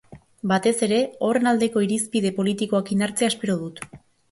Batez ere horren aldeko irizpide politikoak indartzea espero dut.